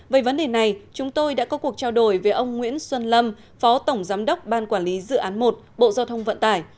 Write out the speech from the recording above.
về vấn đề này chúng tôi đã có cuộc trao đổi với ông nguyễn xuân lâm phó tổng giám đốc ban quản lý dự án một bộ giao thông vận tải